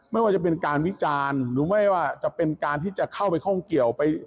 ไม่ว่าจะเป็นการวิจารณ์หรือเอาไปคล่องเกี่ยว